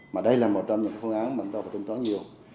mà đây là một trong những phương án mạnh tỏa và tinh tỏa nhiều